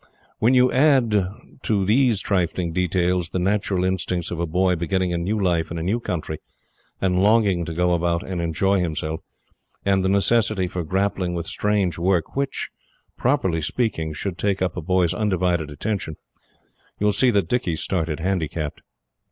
When you add to these trifling details the natural instincts of a boy beginning a new life in a new country and longing to go about and enjoy himself, and the necessity for grappling with strange work which, properly speaking, should take up a boy's undivided attention you will see that Dicky started handicapped.